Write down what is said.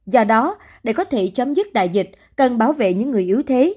do đó để có thể chấm dứt đại dịch cần bảo vệ những người yếu thế